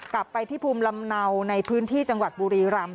กลับไปที่ภูมิลำเนาในพื้นที่จังหวัดบุรีรำ